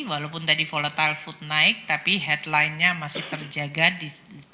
walaupun tadi volatile food naik tapi headlinenya masih terjaga di tiga